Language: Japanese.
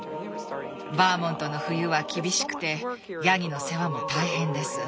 バーモントの冬は厳しくてヤギの世話も大変です。